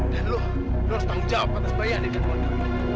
dan lo harus tanggung jawab atas bayaran yang kamu ada